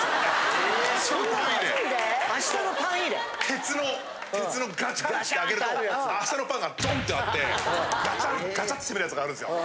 鉄の鉄のガチャって開けると明日のパンがドンってあってガチャンガチャって閉めるやつがあるんですよ。